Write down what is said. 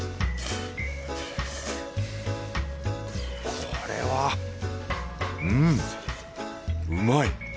これはうんうまい。